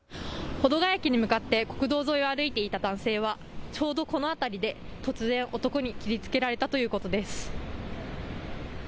保土ヶ谷駅に向かって国道沿いを歩いていた男性はちょうどこの辺りで突然、男に切りつけられたということです。